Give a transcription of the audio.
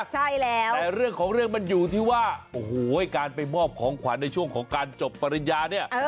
ใช่แล้วแต่เรื่องของเรื่องมันอยู่ที่ว่าโอ้โหการไปมอบของขวัญในช่วงของการจบปริญญาเนี่ย